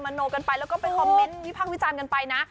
มโมไปแล้วก็ไปคอมเมนต์วิพากิจารณ์กันไปนะ